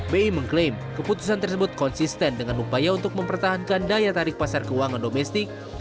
bi mengklaim keputusan tersebut konsisten dengan upaya untuk mempertahankan daya tarik pasar keuangan domestik